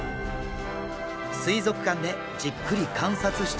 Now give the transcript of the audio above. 水族館でじっくり観察してみると。